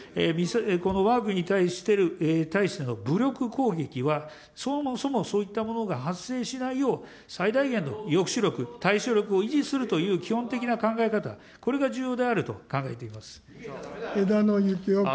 わが国に対しての武力攻撃は、そもそもそういったものが発生しないよう、最大限に抑止力、対処力を維持するという基本的な考え方、これが重要であると考えてい枝野幸男君。